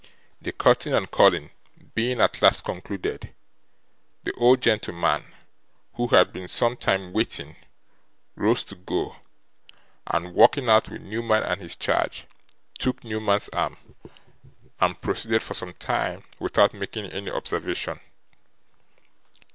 The cutting and curling being at last concluded, the old gentleman, who had been some time waiting, rose to go, and, walking out with Newman and his charge, took Newman's arm, and proceeded for some time without making any observation.